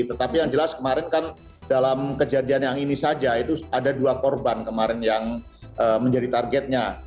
tetapi yang jelas kemarin kan dalam kejadian yang ini saja itu ada dua korban kemarin yang menjadi targetnya